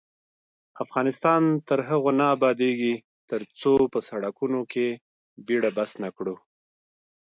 افغانستان تر هغو نه ابادیږي، ترڅو په سرکونو کې بیړه بس نکړو.